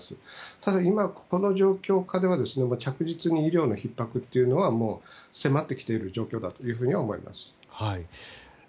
ただ、今、この状況下では着実に医療のひっ迫というのは迫ってきている状況だと思います。